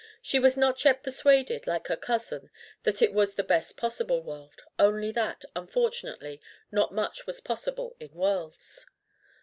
She was not yet persuaded, like her cousin, that it was the best possible world only that, unfortunately, not much was possible in worlds.